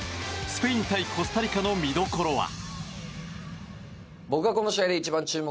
スペイン対コスタリカの見どころは？